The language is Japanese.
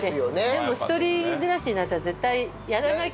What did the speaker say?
でも一人暮らしになったら絶対やらなきゃ。